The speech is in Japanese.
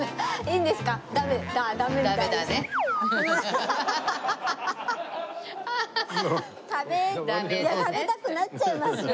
いや食べたくなっちゃいますよ